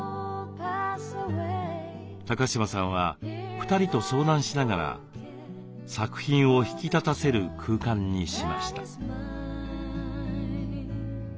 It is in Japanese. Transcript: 高島さんは２人と相談しながら作品を引き立たせる空間にしました。